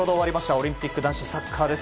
オリンピック男子サッカーです。